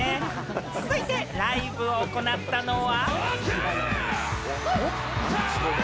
続いてライブを行ったのは。